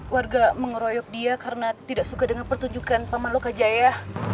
warga mengeroyok dia karena tidak suka dengan pertunjukan paman lokajaya